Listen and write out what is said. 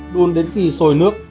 đun đến khi sôi nước